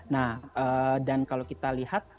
nah dan kalau kita lihat